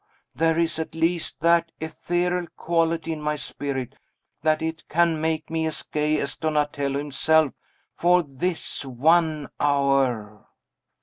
There is, at least, that ethereal quality in my spirit, that it can make me as gay as Donatello himself, for this one hour!"